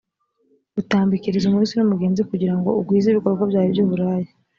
utambikiriza umuhisi n ‘umugenzi kugira ngo ugwize ibikorwa byawe byuburaya.